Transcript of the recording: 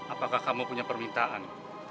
apakah kamu punya permintaan